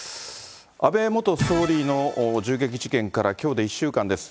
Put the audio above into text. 安倍元総理の銃撃事件からきょうで１週間です。